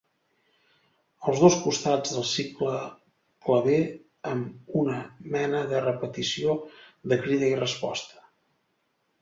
Els dos costats del cicle clave amb una mena de repetició de crida i resposta.